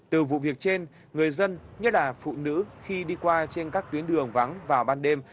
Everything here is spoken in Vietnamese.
từ vụ việc trên người dân nhất là phụ nữ khi đi qua trên các tuyến đường vắng vào ban đêm